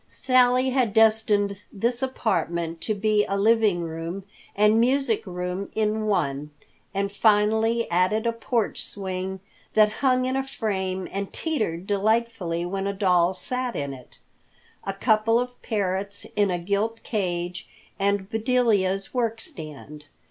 Sally had destined this apartment to be a living room and music room in one, and finally added a porch swing that hung in a frame and teetered delightfully when a doll sat in it; a couple of parrots in a gilt cage; and Bedelia's workstand.